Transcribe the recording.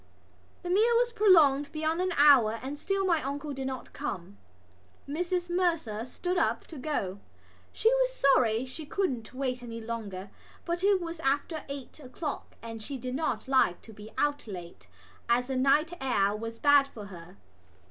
The meal was prolonged beyond an hour and still my uncle did not come. Mrs Mercer stood up to go: she was sorry she couldn't wait any longer, but it was after eight o'clock and she did not like to be out late as the night air was bad for her.